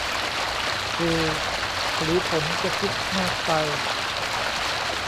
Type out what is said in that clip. เอ หรือผมจะคิดมากไป